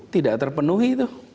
tidak terpenuhi itu